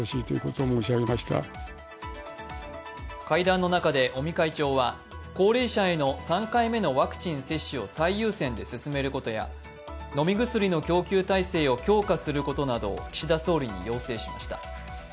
会談の中で尾身会長は高齢者への３回目のワクチン接種を最優先で進めることや、飲み薬の供給体制を強化することなどを岸田総理に要請しました。